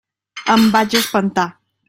Em vaig espantar.